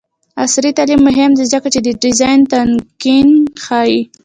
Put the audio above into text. عصري تعلیم مهم دی ځکه چې د ډیزاین تنکینګ ښيي.